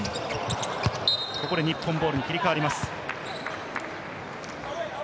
日本ボールに切り替わります。